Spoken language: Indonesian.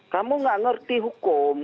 kamu tidak mengerti hukum